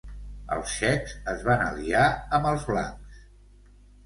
Els txecs es van aliar amb els blancs.